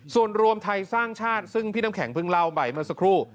ส่วนรวมไทยสร้างชาติซึ่งพี่น้ำแข็งเพิ่งเล่าไปเมื่อสักครู่